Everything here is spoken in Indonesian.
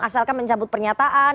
asalkan mencabut pernyataan